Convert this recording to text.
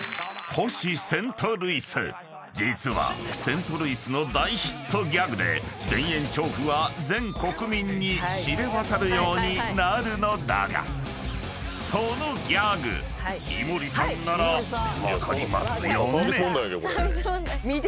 ［実はセント・ルイスの大ヒットギャグで田園調布は全国民に知れ渡るようになるのだがそのギャグ井森さんなら分かりますよね？］